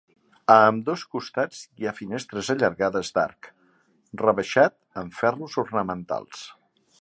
A ambdós costats hi ha finestres allargades d'arc rebaixat amb ferros ornamentals.